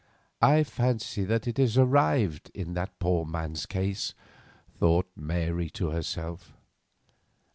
"I fancy that it has arrived in that poor man's case," thought Mary to herself.